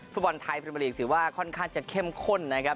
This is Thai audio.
ฟุตบอลไทยพรีเมอร์ลีกถือว่าค่อนข้างจะเข้มข้นนะครับ